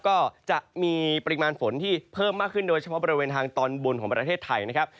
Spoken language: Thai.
ก็จะมีปริมาณฝนที่เพิ่มมากขึ้นโดยเฉพาะบริเวณทางตอนบนของประเทศไทยนะครับ